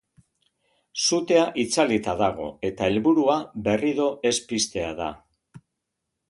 Sutea itzalita dago eta helburua berriro ez piztea da.